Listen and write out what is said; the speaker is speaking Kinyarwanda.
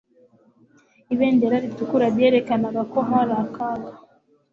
Ibendera ritukura ryerekanaga ko hari akaga.